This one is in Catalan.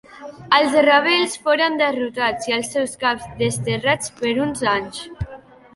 Els rebels foren derrotats i els seus caps desterrats per uns anys.